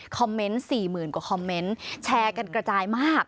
คอมเมนต์๔๐๐๐๐กว่าคอมเมนต์แชร์กันกระจายมาก